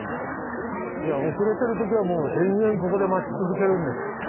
遅れてるときはもう延々ここで待ち続けるんです。